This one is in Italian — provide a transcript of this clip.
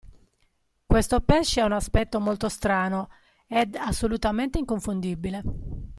Questo pesce ha un aspetto molto strano ed assolutamente inconfondibile.